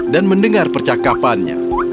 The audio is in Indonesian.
dan mendengar percakapannya